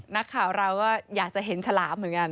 นักข่าวเราก็อยากจะเห็นฉลามเหมือนกัน